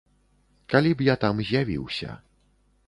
Калі б я там з'явіўся.